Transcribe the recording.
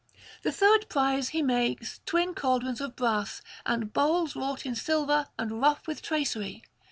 The third prize he makes twin cauldrons of brass, and bowls wrought in silver and rough with tracery.